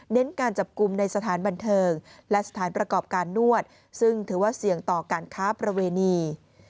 การจับกลุ่มในสถานบันเทิงและสถานประกอบการนวดซึ่งถือว่าเสี่ยงต่อการค้าประเวณี